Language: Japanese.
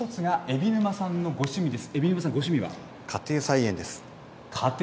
そう、もう１つが海老沼さんのご趣味です。